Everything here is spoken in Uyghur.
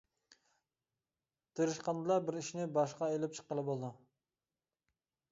تىرىشقاندىلا بىر ئىشنى باشقا ئېلىپ چىققىلى بولىدۇ.